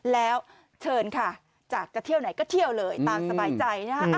แล้วเชิญค่ะจากจะเที่ยวไหนก็เที่ยวเลยตามสบายใจนะฮะ